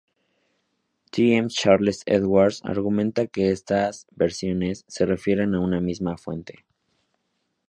T. M. Charles-Edwards argumenta que estas versiones se refieren a una misma fuente.